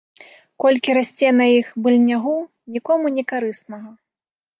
Колькі расце на іх быльнягу, нікому некарыснага.